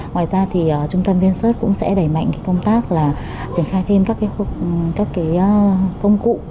ngoài ra trung tâm viên sớt cũng sẽ đẩy mạnh công tác là triển khai thêm các công cụ